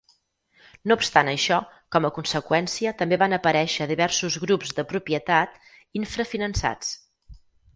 No obstant això, com a conseqüència també van aparèixer diversos grups de propietat infrafinançats.